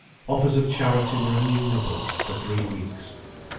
Offers of charity were innumerable—for three weeks.